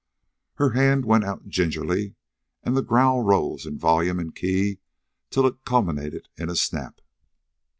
Her hand went out gingerly, and the growl rose in volume and key till it culminated in a snap.